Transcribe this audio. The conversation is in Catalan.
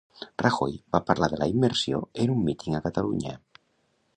Rajoy va parlar de la immersió en un míting a Catalunya